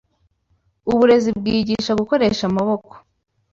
uburezi bwigisha gukoresha amaboko